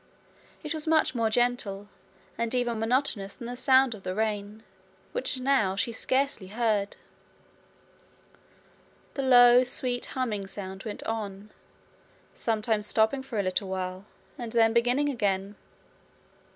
It was much more gentle, and even monotonous than the sound of the rain, which now she scarcely heard. The low sweet humming sound went on, sometimes stopping for a little while and then beginning again.